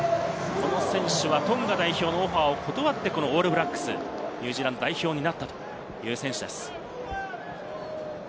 この選手はトンガ代表のオファーを断ってオールブラックス、ニュージーランド代表になった選手です。